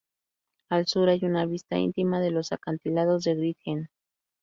Al sur hay una vista íntima de los acantilados de Great End.